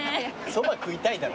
そば食いたいだろ。